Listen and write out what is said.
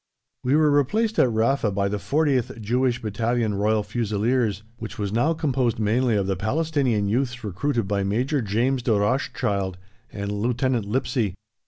We were replaced at Rafa by the 40th (Jewish) Battalion Royal Fusiliers, which was now composed mainly of the Palestinian youths recruited by Major James de Rothschild and Lieutenant Lipsey.